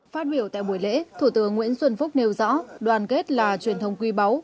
phát biểu tại buổi lễ thủ tướng nguyễn xuân phúc nêu rõ đoàn kết là truyền thông quy báu